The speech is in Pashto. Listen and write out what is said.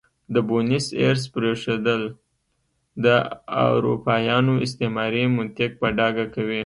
د بونیس ایرس پرېښودل د اروپایانو استعماري منطق په ډاګه کوي.